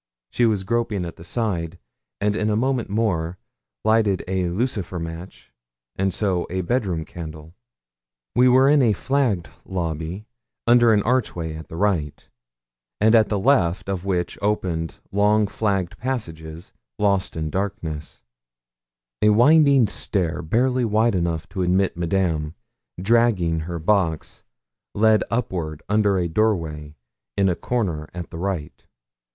She was groping at the side; and in a moment more lighted a lucifer match, and so a bedroom candle. We were in a flagged lobby, under an archway at the right, and at the left of which opened long flagged passages, lost in darkness; a winding stair, barely wide enough to admit Madame, dragging her box, led upward under a doorway, in a corner at the right.